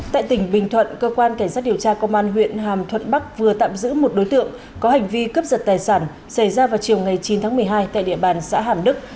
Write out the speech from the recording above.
tại tỉnh bình thuận cơ quan cảnh sát điều tra công an huyện hàm thuận bắc vừa tạm giữ một đối tượng có hành vi cướp giật tài sản xảy ra vào chiều ngày chín tháng một mươi hai tại địa bàn xã hàm đức